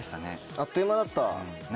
あっという間だった。